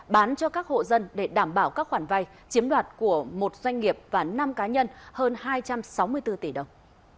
bán cho các hộ dân để đảm bảo các khoản vay chiếm đoạt của một doanh nghiệp và năm cá nhân hơn hai trăm sáu mươi bốn tỷ đồng